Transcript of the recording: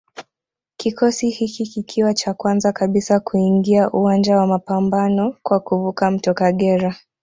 Kikosi hiki kikiwa cha kwanza kabisa kuingia uwanja wa mapambano kwa kuvuka mto Kagera